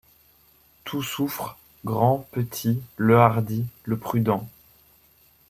Tout souffre ; grand, petit, le hardi, le prudent